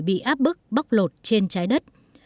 bị áp bức bóc lột trên trái đất